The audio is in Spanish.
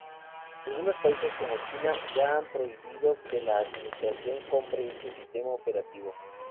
Algunos países, como China, ya han prohibido que la administración compre este sistema operativo.